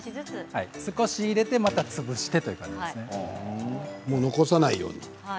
少し入れてまた潰してという残さないように。